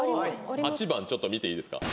８番ちょっと見ていいですか？